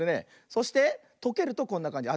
そしてとけるとこんなかんじ。